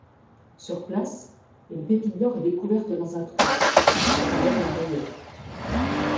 Sur place, une pépite d'or est découverte dans un trou, c'est alors la ruée.